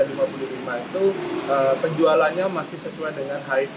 itu penjualannya masih sesuai dengan hiv